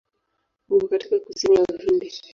Uko katika kusini ya Uhindi.